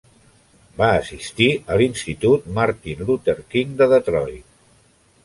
Va assistir a l'Institut Martin Luther King de Detroit.